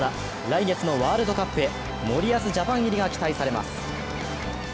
来月のワールドカップへ、森保ジャパン入りが期待されます。